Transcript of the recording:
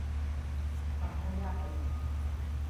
ทำให้ยากไปอีก